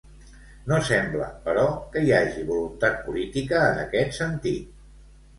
No sembla, però, que hi hagi voluntat política en aquest sentit.